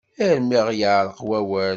Armi ɣ-yeɛreq wawal.